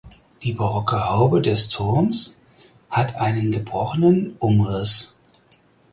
Die barocke Haube des Turms hat einen gebrochenen Umriss.